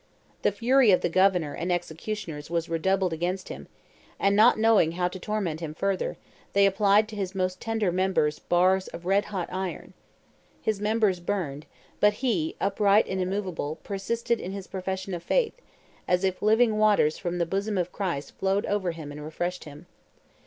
The fury of the governor and the executioners was redoubled against him; and, not knowing how to torment him further, they applied to his most tender members bars of red hot iron. His members burned; but he, upright and immovable, persisted in his profession of faith, as if living waters from the bosom of Christ flowed over him and refreshed him.